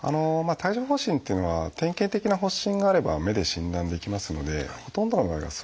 帯状疱疹っていうのは典型的な発疹があれば目で診断できますのでほとんどの場合がそうですね。